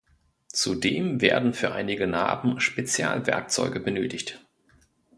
Zudem werden für einige Naben Spezialwerkzeuge benötigt.